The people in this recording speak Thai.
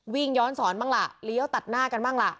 วิ่งย้อนศรบ้างละลีเอ้าตัดหน้ากันบ้างละ